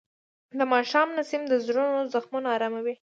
د ماښام نسیم د زړونو زخمونه آراموي.